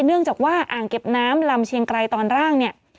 เนื่องจากว่าอ่างเก็บน้ำลำเชียงไกรตอนล่างเนี่ย